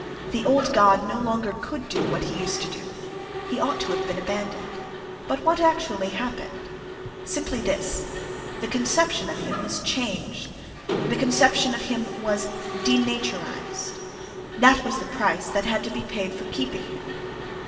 The old god no longer could do what he used to do. He ought to have been abandoned. But what actually happened? Simply this: the conception of him was changed—the conception of him was denaturized; this was the price that had to be paid for keeping him.